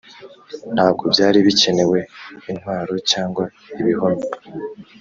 ntabwo byari bikenewe intwaro cyangwa ibihome